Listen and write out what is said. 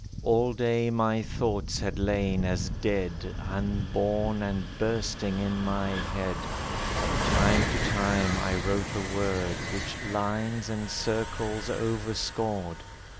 All day my thoughts had lain as dead, Unborn and bursting in my head. From time to time I wrote a word Which lines and circles overscored.